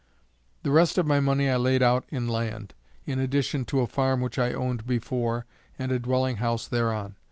The rest of my money I laid out in land, in addition to a farm which I owned before, and a dwelling house thereon.